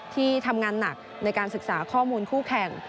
ที่ทำงานหนักในการศึกษาข้อมูลคู่แข่ง